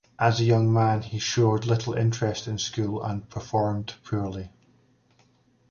As a young man, he showed little interest in school and performed poorly.